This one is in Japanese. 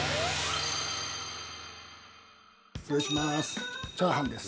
失礼します。